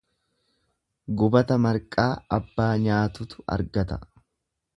Gubata marqaa abbaa nyaatutu arga.